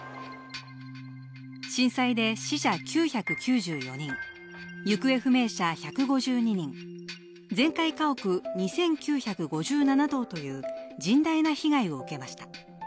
震災で死者９９４人、行方不明者１５２人、全壊家屋２９５７棟という甚大な被害を受けました。